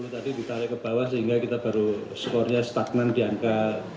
lima puluh tadi ditarik ke bawah sehingga kita baru skornya stagnan di angka tiga puluh tujuh